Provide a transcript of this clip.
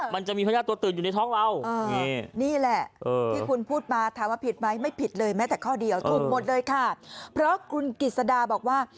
มันจะมีพยาติตัวตืดอยู่ในท้องเรา